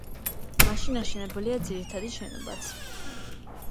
მაშინ აშენებულია ძირითადი შენობაც.